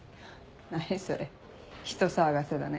何それ人騒がせだね。